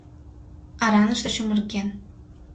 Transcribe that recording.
Араныште чумырген